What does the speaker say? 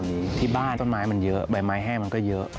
มีใบไม้แห้มาก็เยอะ